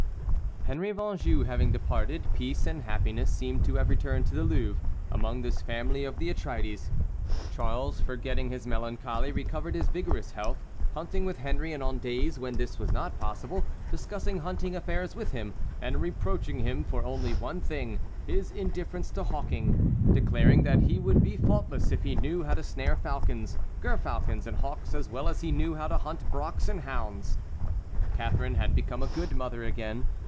Henry of Anjou having departed, peace and happiness seemed to have returned to the Louvre, among this family of the Atrides. Charles, forgetting his melancholy, recovered his vigorous health, hunting with Henry, and on days when this was not possible discussing hunting affairs with him, and reproaching him for only one thing, his indifference to hawking, declaring that he would be faultless if he knew how to snare falcons, gerfalcons, and hawks as well as he knew how to hunt brocks and hounds. Catharine had become a good mother again.